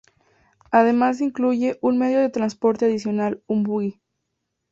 Además incluye un medio de transporte adicional—un buggy.